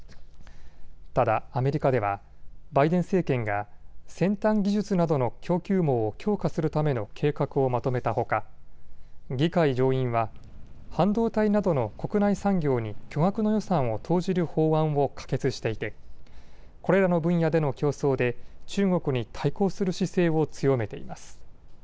ただ、アメリカではバイデン政権が先端技術などの供給網を強化するための計画をまとめたほか議会上院は半導体などの国内産業に巨額の予算を投じる法案を可決していてこれらの分野での競争で中国に対抗する姿勢を強めています。